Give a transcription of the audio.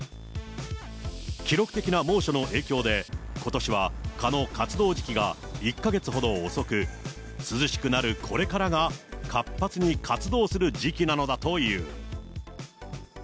記録的な猛暑の影響で、ことしは蚊の活動時期が１か月ほど遅く、涼しくなるこれからが活発に活動する時期なのだという。